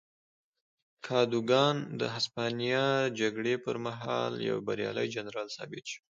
کادوګان د هسپانیا جګړې پر مهال یو بریالی جنرال ثابت شو.